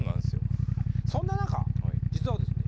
そんな中実はですね